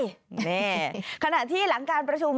นี่ขณะที่หลังการประชุม